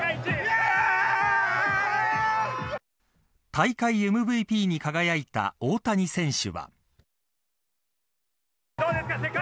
大会ＭＶＰに輝いた大谷選手は。